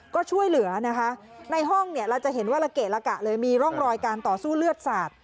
ก็ช่วยเหลือนะคะในห้องเนี่ยเราจะเห็นว่าละเกะละกะเลยมีร่องรอยการต่อสู้เลือดสาด